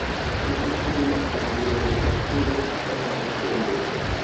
Ufite iminota mirongo itatu yo gufata icyemezo.